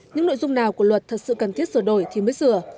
những nội dung nào của luật thật sự cần thiết sửa đổi thì mới sửa